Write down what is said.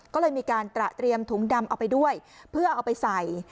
ก็เลยมีการตระเตรียมถุงดำเอาไปด้วยเพื่อเอาไปใส่